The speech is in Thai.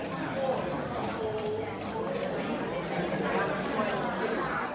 ขอบคุณนะครับ